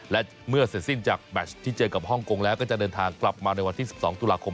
และเมื่อเสร็จสิ้นจากแมชที่เจอกับฮ่องกงแล้วก็จะเดินทางกลับมาในวันที่๑๒ตุลาคม